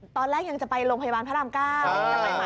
ตอนแรกยังจะไปโรงพยาบาลพระราม๙